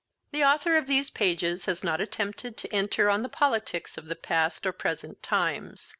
The author of these pages has not attempted to enter on the politics of the past or present times.